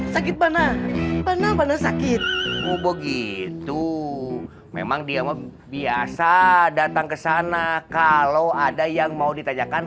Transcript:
sakit mana mana sakit begitu memang dia mau biasa datang ke sana kalau ada yang mau ditanyakan